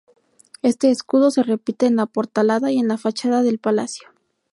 Este escudo se repite en la portalada y en la fachada del palacio.